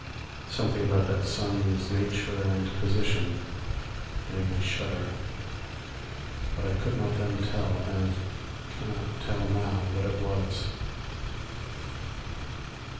Something about that sun's nature and position made me shudder, but I could not then tell, and cannot tell now, what it was.